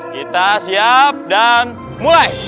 kita siap dan mulai